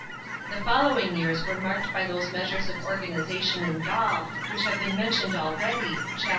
The following years were marked by those measures of organisation in Gaul, which have been mentioned already (Chap.